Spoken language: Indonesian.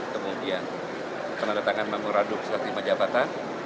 kemudian peneretangan menguraduk setelah terima jabatan